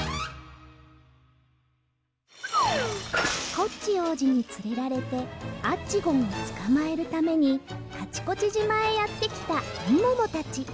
コッチおうじにつれられてアッチゴンをつかまえるためにカチコチじまへやってきたみももたち。